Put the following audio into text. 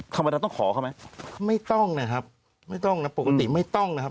ทำไมเราต้องขอเขาไหมไม่ต้องนะครับไม่ต้องนะปกติไม่ต้องนะครับ